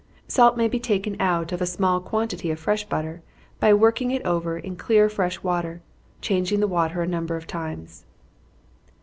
Salt may be taken out of a small quantity of fresh butter, by working it over, in clear fresh water, changing the water a number of times.